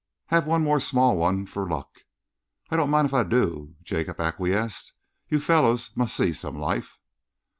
Have one more small one for luck." "I don't mind if I do," Jacob acquiesced.... "You fellows must see some life."